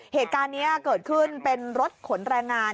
เหตุการณ์นี้เกิดขึ้นเป็นรถขนแรงงาน